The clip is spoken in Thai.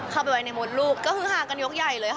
เข้าไปไว้ในมดลูกก็คือหากันยกใหญ่เลยค่ะ